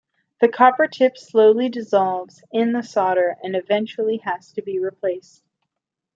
The copper tip slowly dissolves in the solder and eventually has to be replaced.